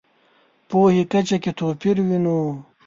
پوهې کچه کې توپیر وینو.